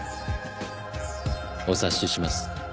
お察しします。